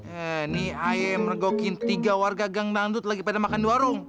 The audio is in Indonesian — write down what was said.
eh nih aje mergokin tiga warga gang dangdut lagi pada makan di warung